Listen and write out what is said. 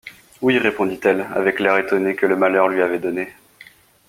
Oui, répondit-elle avec l’air étonné que le malheur lui avait donné.